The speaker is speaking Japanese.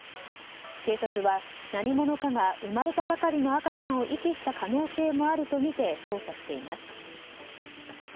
警察は何者かが生まれたばかりの赤ちゃんを遺棄した可能性もあるとみて捜査しています。